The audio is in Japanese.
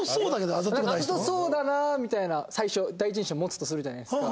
あざとそうだなみたいな最初第一印象を持つとするじゃないですか。